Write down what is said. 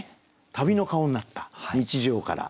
旅の顔になった日常から。